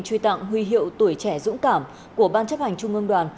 truy tặng huy hiệu tuổi trẻ dũng cảm của ban chấp hành trung ương đoàn